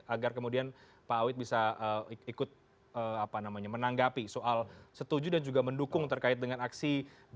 agar kemudian pak awid bisa ikut menanggapi soal setuju dan juga mendukung terkait dengan aksi dua ribu dua